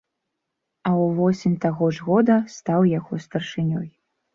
А ўвосень таго ж года стаў яго старшынёй.